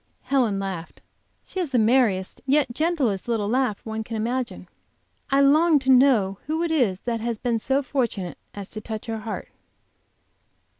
Helen laughed. She has the merriest, yet gentlest little laugh one can imagine. I long to know who it is that has been so fortunate as to touch her heart!